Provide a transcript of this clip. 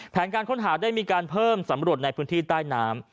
การค้นหาได้มีการเพิ่มสำรวจในพื้นที่ใต้น้ำ